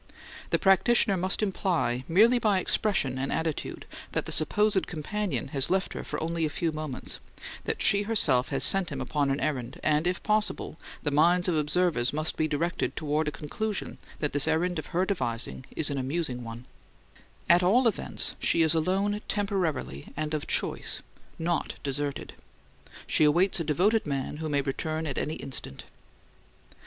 The practitioner must imply, merely by expression and attitude, that the supposed companion has left her for only a few moments, that she herself has sent him upon an errand; and, if possible, the minds of observers must be directed toward a conclusion that this errand of her devising is an amusing one; at all events, she is alone temporarily and of choice, not deserted. She awaits a devoted man who may return at any instant.